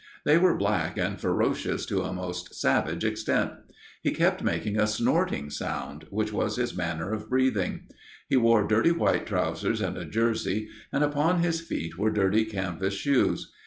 They were black and ferocious to a most savage extent. He kept making a snorting sound, which was his manner of breathing. He wore dirty white trousers and a jersey, and upon his feet were dirty canvas shoes.